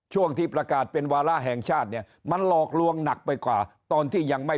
ช่วงที่ประกาศเป็นวาระแห่งชาติเนี่ยมันหลอกลวงหนักไปกว่าตอนที่ยังไม่